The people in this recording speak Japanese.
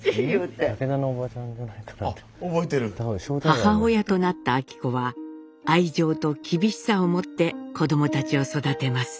母親となった昭子は愛情と厳しさをもって子どもたちを育てます。